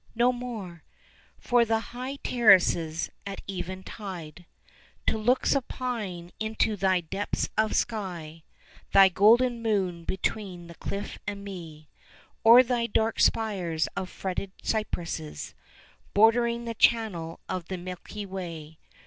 no more From the high terraces, at even tide, To look supine into thy depths of sky, Thy golden moon between the cliff and me, Or thy dark spires of fretted cypresses 5 Bordering the channel of the milky way.